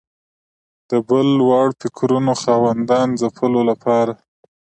د بل وړ فکرونو خاوندانو ځپلو لپاره